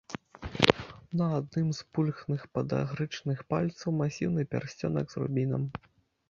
На адным з пульхных падагрычных пальцаў масіўны пярсцёнак з рубінам.